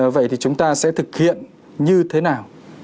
vậy thì chúng ta sẽ thực hiện như thế nào